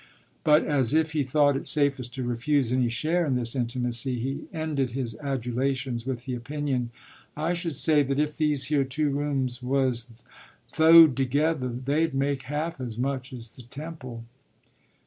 But as if he thought it safest to refuse any share in this intimacy, he ended his adulations with the opinion, “I should say that if these here two rooms was th'owed together they'd make half as much as the Temple.